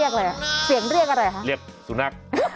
ครับ